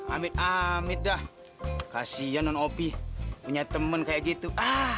amit amit dah kasihan non opi punya temen kayak gitu